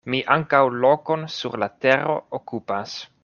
Mi ankaŭ lokon sur la tero okupas.